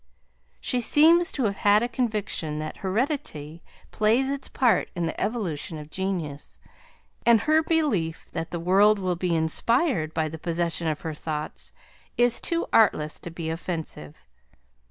She seems to have had a conviction that heredity plays its part in the evolution of genius, and her belief that the world will be inspired by the possession of her Thoughts is too artless to be offensive.